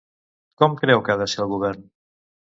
Com creu que ha de ser el govern?